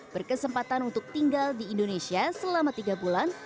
berkesempatan untuk tinggal di indonesia selama tiga bulan